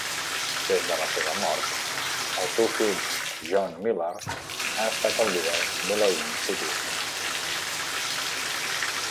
Des de la seva mort, el seu fill John Millar ha estat el líder d'Elohim City.